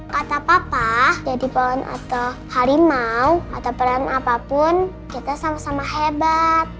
kata papa jadi pohon atau harimau atau pohon apapun kita sama sama hebat